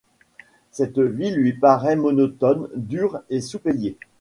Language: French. Cette vie lui paraît monotone, dure et sous-payée.